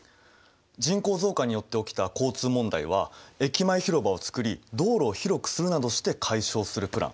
人口増加によって起きた交通問題は駅前広場を作り道路を広くするなどして解消するプラン。